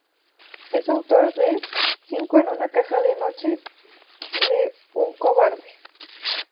Es autor de "Cinco en una caja de noche" y de "Un cobarde".